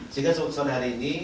sehingga sebesar hari ini